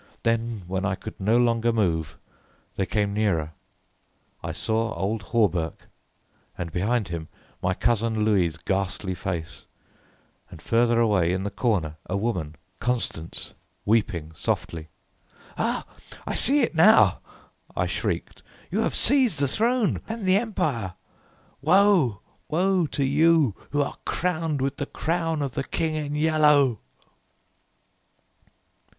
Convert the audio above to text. Then when I could no longer move they came nearer; I saw old Hawberk, and behind him my cousin Louis' ghastly face, and farther away, in the corner, a woman, Constance, weeping softly. "Ah! I see it now!" I shrieked. "You have seized the throne and the empire. Woe! woe to you who are crowned with the crown of the King in Yellow!"